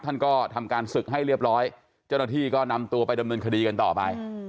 ท่านก็ทำการศึกให้เรียบร้อยเจ้าหน้าที่ก็นำตัวไปดำเนินคดีกันต่อไป